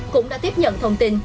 cũng đã tiếp nhận thông tin